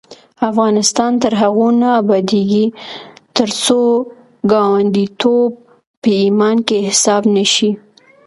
افغانستان تر هغو نه ابادیږي، ترڅو ګاونډیتوب په ایمان کې حساب نشي.